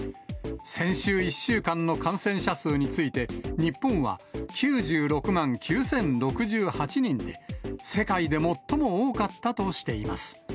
先週１週間の感染者数について、日本は９６万９０６８人で、世界で最も多かったとしています。